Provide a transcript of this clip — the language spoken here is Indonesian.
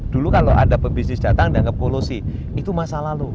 dulu kalau ada pebisnis datang dianggap polusi itu masa lalu